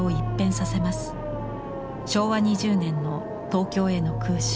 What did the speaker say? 昭和２０年の東京への空襲。